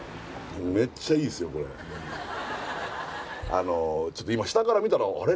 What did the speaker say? あのちょっと今下から見たらあれ？